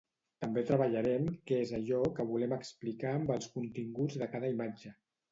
També treballarem què és allò que volem explicar amb els continguts de cada imatge.